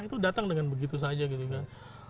itu datang dengan begitu saja gitu kan